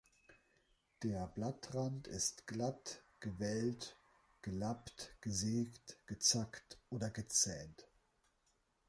Der Blattrand ist glatt, gewellt, gelappt, gesägt, gezackt oder gezähnt.